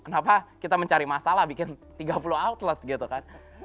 kenapa kita mencari masalah bikin tiga puluh outlet gitu kan